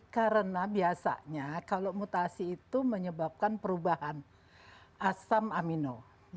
karena biasanya kalau mutasi itu menyebabkan perubahan asam amino